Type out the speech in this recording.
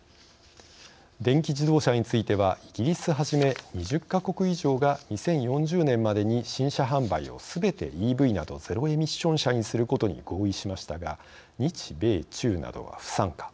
電気自動車についてはイギリスはじめ２０か国以上が２０４０年までに新車販売をすべてＥＶなどゼロエミッション車にすることに合意しましたが日米中などは不参加。